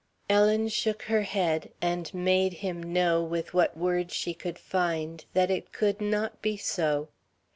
Ellen shook her head, and made him know, with what words she could find, that it could not be so.